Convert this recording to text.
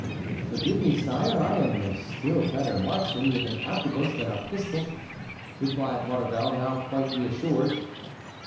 "Forgive me, sire, I am a still better marksman with an arquebuse than a pistol," replied Maurevel, now quite reassured.